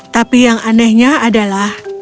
tapi yang anehnya adalah